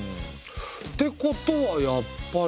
ってことはやっぱり。